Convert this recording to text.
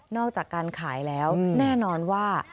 อกจากการขายแล้วแน่นอนว่า